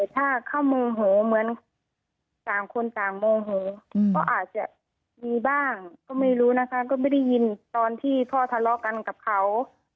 ถ้าเขาโมโหเหมือนต่างคนต่างโมโหก็อาจจะมีบ้างก็ไม่รู้นะคะก็ไม่ได้ยินตอนที่พ่อทะเลาะกันกับเขา